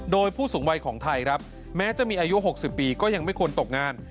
โดยผู้สูงวัยของไทยครับแม้จะมีอายุ๖๐ปีก็ยังไม่ควรตกงาน